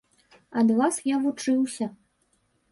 Ад вас я вучыўся.